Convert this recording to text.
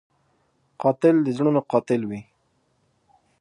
قاتل د زړونو قاتل وي